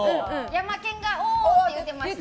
ヤマケンがおー！って言っていました。